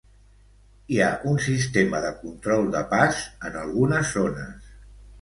Hi ha un sistema de control de pas en algunes zones.